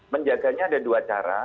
menjaganya ada dua cara